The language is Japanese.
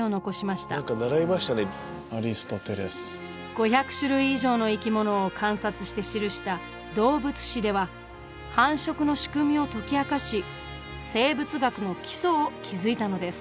５００種類以上の生き物を観察して記した「動物誌」では繁殖の仕組みを解き明かし生物学の基礎を築いたのです。